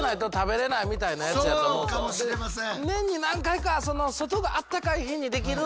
そうかもしれません。